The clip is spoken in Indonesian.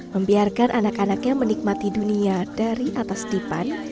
membiarkan anak anaknya menikmati dunia dari atas dipan